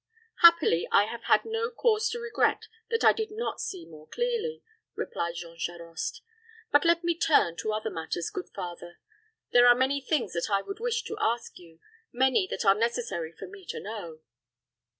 "Happily, I have had no cause to regret that I did not see more clearly," replied Jean Charost; "but let me turn to other matters, good father. There are many things that I would wish to ask you many that are necessary for me to know."